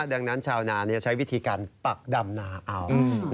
ดังนั้นชาวนาใช้วิธีการปักดำนาเอา